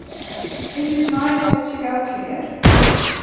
Is ús neigesetsje gau klear?